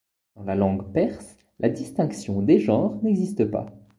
Dans la langue perse, la distinction des genres n'existe pas.